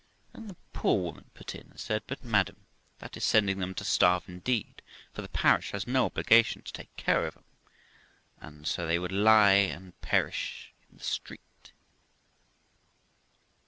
Then the poor woman put in, and said, 'But, madam, that is sending them to starve indeed, for the parish has no obligation to take care of 'em, and so they will lie and perish in the street.'